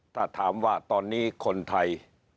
ถ้าถามว่าตอนนี้คนไทย